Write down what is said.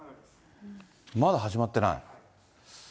まだ始まってない。